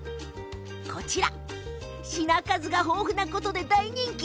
品数が豊富なことで大人気。